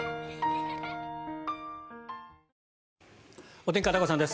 お天気、片岡さんです。